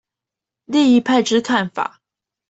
另一派之看法